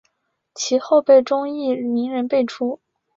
其后辈中亦名人辈出。